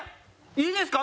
いいですか？